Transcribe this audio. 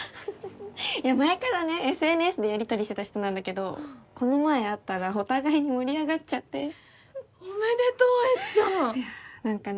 前からねＳＮＳでやり取りしてた人なんだけどこの前会ったらお互いに盛り上がっちゃっておめでとうえっちゃんいや何かね